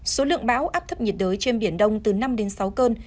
số lượng bão áp thấp nhiệt đới trên biển đông từ năm đến sáu cơn